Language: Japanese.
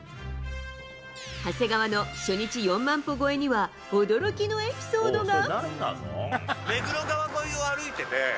長谷川の初日４万歩超えには驚きのエピソードが。